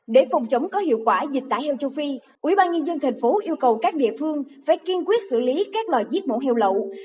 để phòng chống có hiệu quả dịch tả heo châu phi ubnd tp yêu cầu các địa phương phải kiên quyết xử lý các loài giết mổ heo lậu